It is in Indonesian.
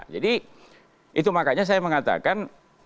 jadi itu makanya saya mengatakan